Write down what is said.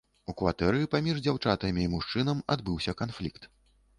У кватэры паміж дзяўчатамі і мужчынам адбыўся канфлікт.